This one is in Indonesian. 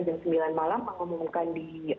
jam sembilan malam mengumumkan di